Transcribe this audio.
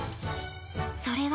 それは。